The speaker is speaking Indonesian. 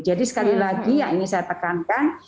jadi sekali lagi yang ini saya tekankan